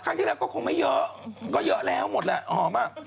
ครั้งที่แล้วก็คงไม่เยอะก็เยอะแล้วหมดแหละหอมอ่ะ